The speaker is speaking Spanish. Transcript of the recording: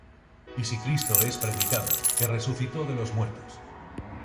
Y si Cristo es predicado que resucitó de los muertos